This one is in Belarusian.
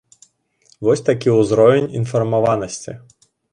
Вось такі ўзровень інфармаванасці!